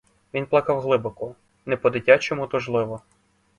Він плакав глибоко, не по-дитячому тужливо.